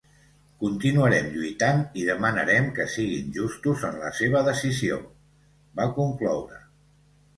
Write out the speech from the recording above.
Continuarem lluitant i demanarem que siguin justos en la seva decisió, va concloure.